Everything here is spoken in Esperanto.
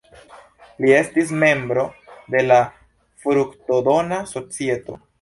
Li estis membro de la Fruktodona Societo.